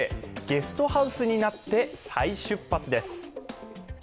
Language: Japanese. ゲストハウスになって再出発です。